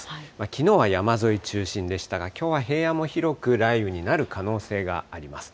きのうは山沿い中心でしたが、きょうは平野も広く雷雨になる可能性があります。